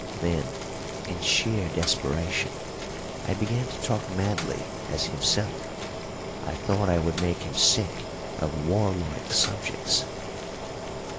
Then in sheer desperation I began to talk madly as himself. I thought I would make him sick of warlike subjects.